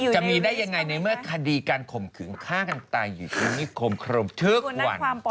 จะมีได้ยังไงในเมื่อคดีการข่มขืนฆ่ากันตายอยู่ที่นิคมทุกวัน